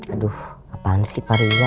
aduh apaan sih pak riza